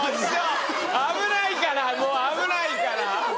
危ないからもう危ないから！